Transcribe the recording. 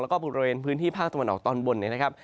แล้วก็พิกษ์บริเวณพื้นที่ภาคตะวันออกตอนบนนะครับ